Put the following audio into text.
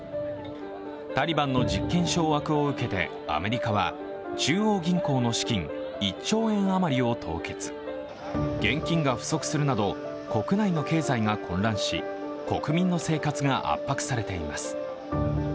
タリバンの実権掌握を受けてアメリカは中央銀行の資金、１兆円余りを凍結現金が不足するなど、国内の経済が混乱し、国民の生活が圧迫されています。